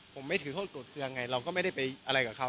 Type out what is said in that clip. ผมไม่ถือโทษโกรธเครื่องไงเราก็ไม่ได้ไปอะไรกับเขา